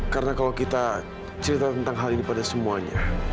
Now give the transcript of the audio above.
karena kalau kita cerita tentang hal ini pada semuanya